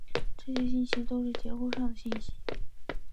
这些信息都是结构上的信息。